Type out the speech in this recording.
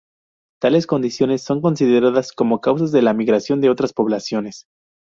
Tales condiciones son consideradas como causas de la migración de otras poblaciones.